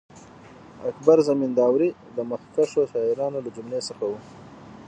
اکبر زمینداوری د مخکښو شاعرانو له جملې څخه وو.